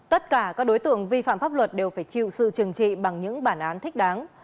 tất cả các đối tượng vi phạm pháp luật đều phải chịu sự trừng trị bằng những bản án thích đáng